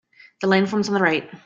The line forms on the right.